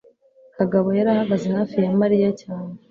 kagabo yari ahagaze hafi ya mariya cyane